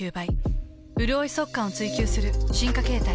うるおい速乾を追求する進化形態。